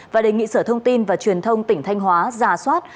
và đề nghị sở thông tin và truyền thông tỉnh thanh hóa giả soát